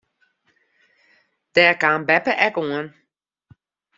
Dêr kaam beppe ek oan.